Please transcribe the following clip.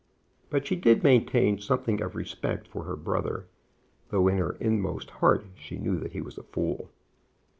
But she did maintain something of respect for her brother, though in her inmost heart she knew that he was a fool.